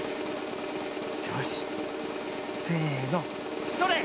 よしせのそれ！